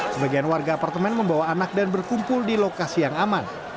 sebagian warga apartemen membawa anak dan berkumpul di lokasi yang aman